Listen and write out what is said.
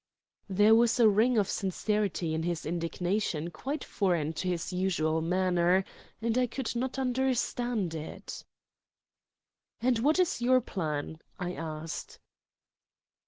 There was a ring of sincerity in this indignation quite foreign to his usual manner, and I could not understand it. "And what is your plan?" I asked.